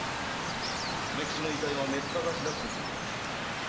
鮫吉の遺体はめった刺しだって聞いてます。